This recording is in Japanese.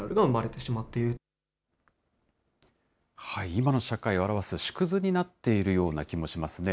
今の社会を表す縮図になっているような気もしますね。